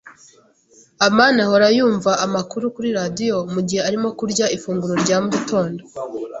amani ahora yumva amakuru kuri radio mugihe arimo kurya ifunguro rya mugitondo.